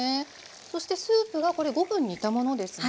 そしてスープがこれ５分煮たものですね。